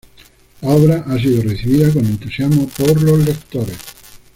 La obra ha sido recibida con entusiasmo por los lectores.